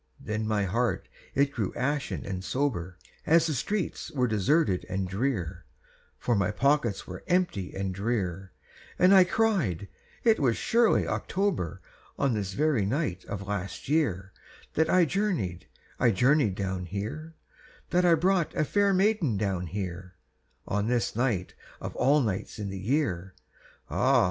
Then my heart it grew ashen and sober, As the streets were deserted and drear, For my pockets were empty and drear; And I cried: "It was surely October, On this very night of last year, That I journeyed, I journeyed down here, That I brought a fair maiden down here, On this night of all nights in the year! Ah!